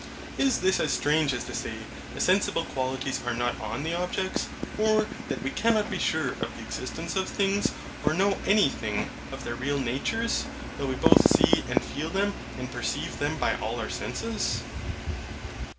Is this as strange as to say, the sensible qualities are not on the objects: or that we cannot be sure of the existence of things, or know any thing of their real natures though we both see and feel them, and perceive them by all our senses?